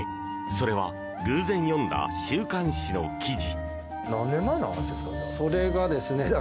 それは偶然読んだ週刊誌の記事。